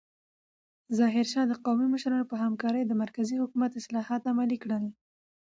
ظاهرشاه د قومي مشرانو په همکارۍ د مرکزي حکومت اصلاحات عملي کړل.